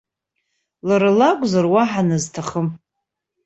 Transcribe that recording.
Лара лакәзар, уаҳа назҭахым.